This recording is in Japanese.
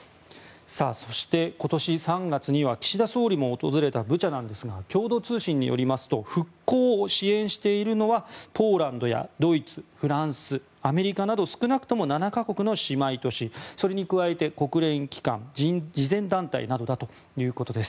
そして今年３月には岸田総理も訪れたブチャですが共同通信によりますと復興を支援しているのはポーランドやドイツ、フランスアメリカなど少なくとも７か国の姉妹都市それに加えて国連機関慈善団体などだということです。